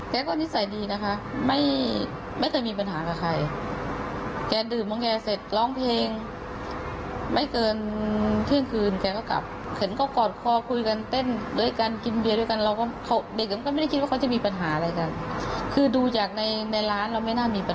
แกก็นิสัยดีนะคะแกดื่มวันแกเสร็จร้องเพลงไม่เกินเท่านาทีแกก็กลับ